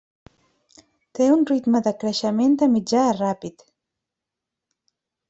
Té un ritme de creixement de mitjà a ràpid.